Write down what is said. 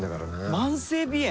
慢性鼻炎？